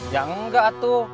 ya enggak tuh